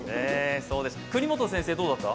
國本先生、どうだった？